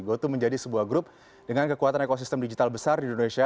goto menjadi sebuah grup dengan kekuatan ekosistem digital besar di indonesia